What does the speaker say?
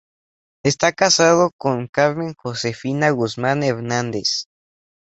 Está casado con Carmen Josefina Guzmán Hernández.